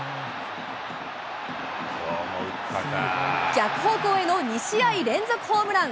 逆方向への２試合連続ホームラン。